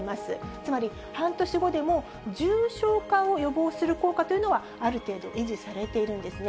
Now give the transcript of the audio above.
つまり半年後でも重症化を予防するかというのは、ある程度、維持されているんですね。